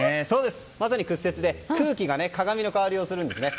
まさに屈折で空気が鏡の代わりをするんですね。